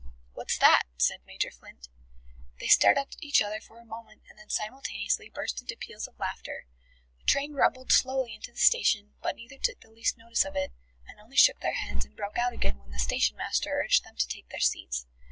"What's that?" said Major Flint. They stared at each other for a moment and then simultaneously burst into peals of laughter. The train rumbled slowly into the station, but neither took the least notice of it, and only shook their heads and broke out again when the station master urged them to take their seats.